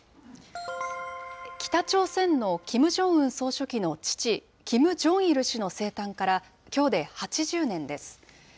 北朝鮮のキム・ジョンウン総書記の父、キム・ジョンイル氏の生誕からきょうで８０年です。